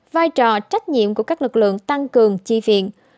vai trò trách nhiệm của các lực lượng tăng cường chi viện